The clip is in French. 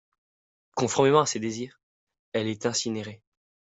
Conformément à ses désirs, elle est incinérée.